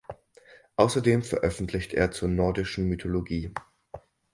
Außerdem veröffentlicht er zur nordischen Mythologie.